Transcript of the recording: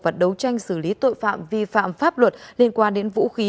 và đấu tranh xử lý tội phạm vi phạm pháp luật liên quan đến vũ khí